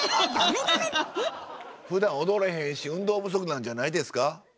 ふだん踊れへんし運動不足なんじゃないですか？